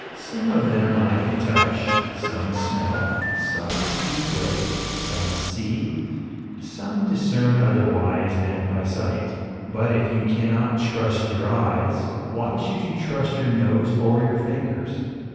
Some of them I can touch, some smell, some speak with, some see, some discern otherwise than by sight. But if you cannot trust your eyes, why should you trust your nose or your fingers?